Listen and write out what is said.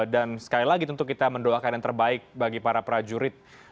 dan sekali lagi untuk kita mendoakan yang terbaik bagi para prajurit